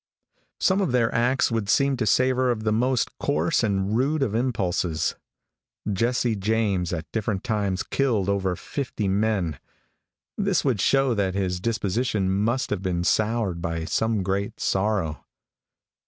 Some of their acts would seem to savor of the most coarse and rude of impulses. Jesse James at different times killed over fifty men. This would show that his disposition must have been soured by some great sorrow.